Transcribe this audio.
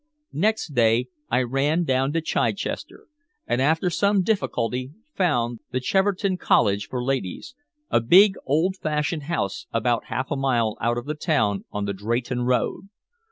Next day I ran down to Chichester, and after some difficulty found the Cheverton College for Ladies, a big old fashioned house about half a mile out of the town on the Drayton Road.